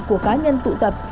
của cá nhân tụ tập